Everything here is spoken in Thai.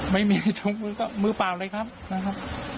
ไม่มีทุกมือมือเปล่าเลยครับ